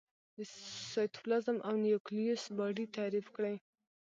د سایتوپلازم او نیوکلیوس باډي تعریف کړي.